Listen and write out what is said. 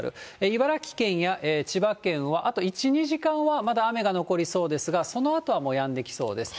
茨城県や千葉県は、あと１、２時間はまだ雨が残りそうですが、そのあとはもうやんできそうです。